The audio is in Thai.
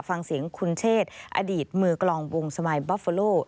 ฟังเสียงคุณเชษอดีตมือกลองวงสมายบอฟเฟอโล